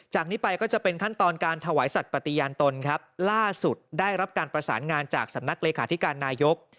จากนี้ไปก็จะเป็นขั้นตอนการถวายสัตว์ปฏิญาณตนครับล่าสุดได้รับการประสานงานจากสำนักเลขาธิการนายก